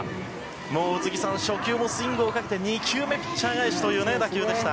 もう宇津木さん、初級もスイングをかけて、２球目ピッチャー返しという打球でした。